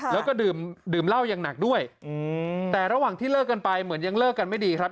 แล้วก็ดื่มเหล้าอย่างหนักด้วยแต่ระหว่างที่เลิกกันไปเหมือนยังเลิกกันไม่ดีครับ